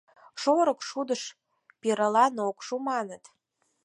Шорык шудыш пирылан ок шу, маныт?